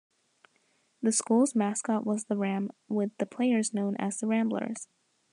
The school's mascot was the ram, with the players known as the "Ramblers".